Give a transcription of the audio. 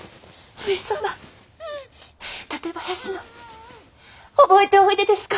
上様館林の覚えておいでですか？